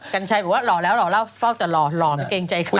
กัญชัยบอกว่าหล่อแล้วหล่อเล่าเฝ้าแต่หล่อหล่อไม่เกรงใจคืน